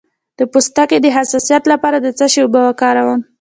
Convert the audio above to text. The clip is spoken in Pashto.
د پوستکي د حساسیت لپاره د څه شي اوبه وکاروم؟